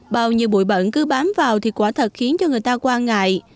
bao nhiêu bụi bẩn cứ bám vào thì quả thật khiến cho người ta quan ngại